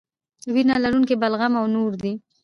وینه لرونکي بلغم او نور دي.